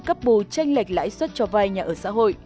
cấp bù tranh lệch lãi xuất cho vai nhà ở xã hội